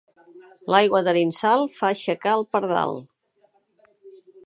L'aigua d'Arinsal fa aixecar el pardal.